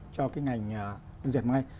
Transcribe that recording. cho cái ngành dệt may